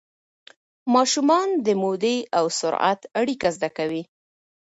ماشومان د مودې او سرعت اړیکه زده کوي.